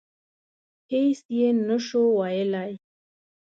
هېڅ یې نه شو ویلای.